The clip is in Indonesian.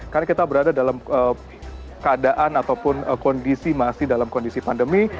karena kita berada dalam keadaan ataupun kondisi masih dalam kondisi pandemi